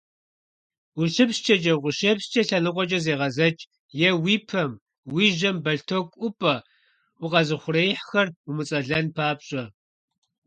УщыпсчэкӀэ, укъыщепскӀэ лъэныкъуэкӀэ зегъэзэкӀ е уи пэм, уи жьэм бэлътоку ӀупӀэ, укъэзыухъуреихьхэр умыцӀэлэн папщӀэ.